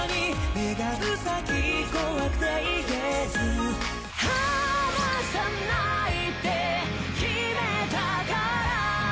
願う先、怖くていえず離さないって決めたから